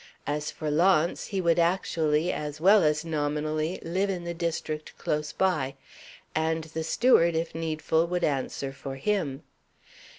As for Launce, he would actually, as well as nominally, live in the district close by; and the steward, if needful, would answer for him.